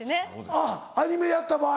あっアニメやった場合。